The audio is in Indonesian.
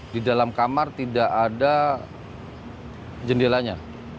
di dalam kamar tidak ada jendelanya